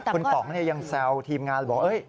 คุณป๋องนี่ยังแซวทีมงานบอก